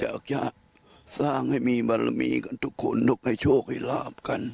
ออกจากสร้างให้มีบารมีกันทุกคนต้องให้โชคให้ลาบกัน